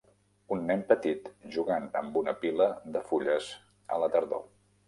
Un nen petit jugant amb una pila de fulles a la tardor.